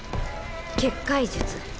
結界術。